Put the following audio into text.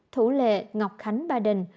thủ lệ ngọc khánh ba đình